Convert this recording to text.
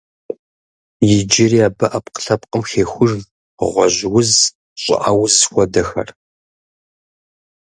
Иджыри абы ӏэпкълъэпкъым хехуж гъуэжь уз, щӏыӏэ уз хуэдэхэр.